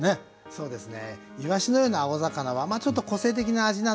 そうですね。